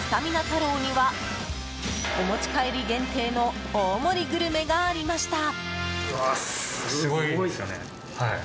太郎にはお持ち帰り限定の大盛りグルメがありました。